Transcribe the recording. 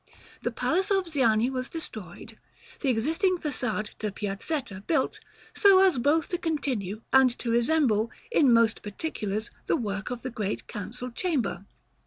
The palace of Ziani was destroyed; the existing façade to the Piazzetta built, so as both to continue and to resemble, in most particulars, the work of the Great Council Chamber.